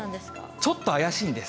ちょっと怪しいんです。